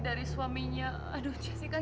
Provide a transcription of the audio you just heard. apa bere passover bisa kamu dianjurkan